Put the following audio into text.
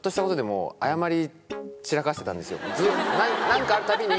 何かあるたびに。